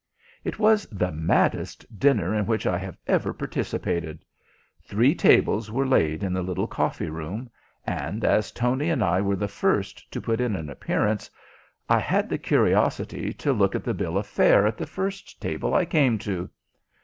It was the maddest dinner in which I have ever participated. Three tables were laid in the little coffee room, and, as Tony and I were the first to put in an appearance, I had the curiosity to look at the bill of fare at the first table I came to.